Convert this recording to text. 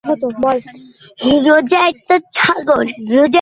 সে আপনাকে নিয়ে গর্ব করতো।